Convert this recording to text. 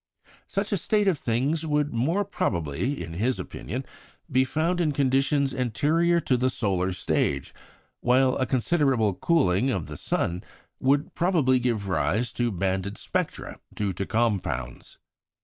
"Such a state of things would more probably," in his opinion, "be found in conditions anterior to the solar stage," while "a considerable cooling of the sun would probably give rise to banded spectra due to compounds."